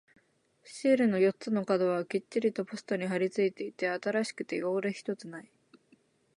シールの四つの角はきっちりとポストに貼り付いていて、新しくて汚れ一つない。